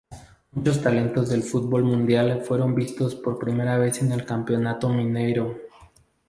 Muchos talentos del fútbol mundial fueron vistos por primera vez en el Campeonato Mineiro.